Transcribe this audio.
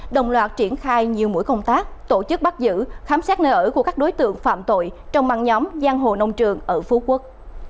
đồng loạt triển khai nhiều mũi công tác tổ chức bắt giữ khám xét nơi ở của các đối tượng phạm tội trong băng nhóm giang hồ nông trường ở phú quốc